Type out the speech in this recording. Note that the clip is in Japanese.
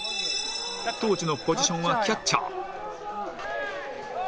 当時のポジションはキャッチャー